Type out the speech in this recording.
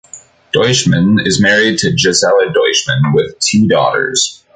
Deutschmann is married to Gisela Deutschmann, with two daughters.